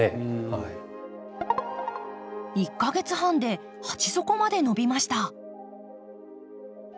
１か月半で鉢底まで伸びました。